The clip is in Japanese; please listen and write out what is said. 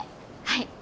はい。